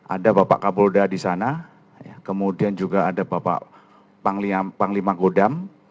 ada bapak kapolda di sana kemudian juga ada bapak panglima kodam